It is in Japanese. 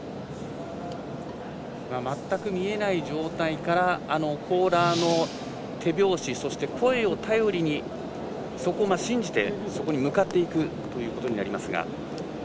全く見えない状態からコーラーの手拍子そして、声を頼りにそこを信じてそこに向かっていくということになりますが。